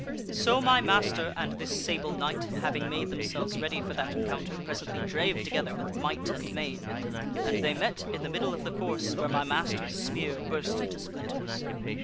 " So my master and this Sable Knight, having made themselves ready for that encounter, presently drave together with might and main. And they met in the middle of the course, where my master's spear burst into splinters.